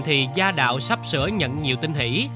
thì gia đạo sắp sửa nhận nhiều tinh hỷ